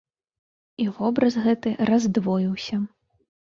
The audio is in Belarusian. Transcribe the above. І вобраз гэты раздвоіўся.